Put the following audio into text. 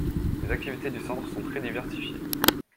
Les activités du Centre sont très diversifiées.